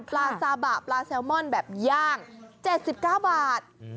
ซาบะปลาแซลมอนแบบย่าง๗๙บาท